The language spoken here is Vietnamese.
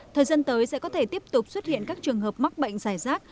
thời gian tới sẽ có thể tiếp tục xuất hiện các trường hợp mắc bệnh giải rác